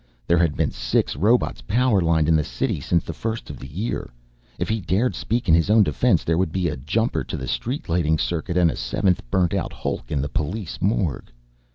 There had been six robots power lined in the city since the first of the year. If he dared speak in his own defense there would be a jumper to the street lighting circuit and a seventh burnt out hulk in the police morgue.